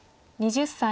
２０歳。